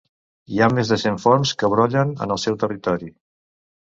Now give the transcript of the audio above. Hi ha més de cent fonts que brollen en el seu territori.